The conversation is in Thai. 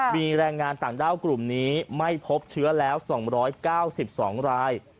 มีแรงงานต่างด้าวกลุ่มนี้ไม่พบเชื้อแล้ว๒๙๒ราย